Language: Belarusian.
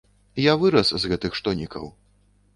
Я вырас з гэтых штонікаў.